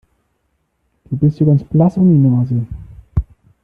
Du bist ja ganz blass um die Nase.